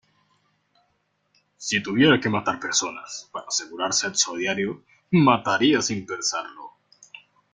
Si tuviera que matar personas para asegurar sexo diario, mataría sin pensarlo.